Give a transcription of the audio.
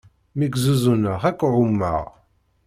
Mi k-zuzuneɣ ad k-ɣummeɣ.